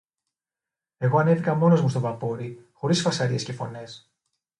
Εγώ ανέβηκα μόνος μου στο βαπόρι, χωρίς φασαρίες και φωνές